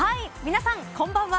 皆さんこんばんは。